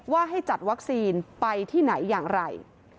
ว่าให้จัดวัคซีนไปที่ไหนอย่างไร